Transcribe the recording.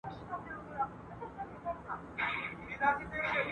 مینه د انسانیت جوهر دی.